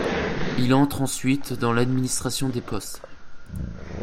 Il entre ensuite dans l'administration des postes.